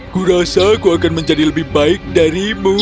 aku rasa aku akan menjadi lebih baik darimu